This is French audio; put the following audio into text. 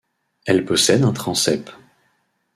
Elle possède un transept.